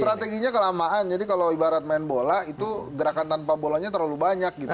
strateginya kelamaan jadi kalau ibarat main bola itu gerakan tanpa bolanya terlalu banyak gitu